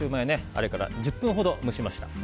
あれから１０分ほど蒸しました。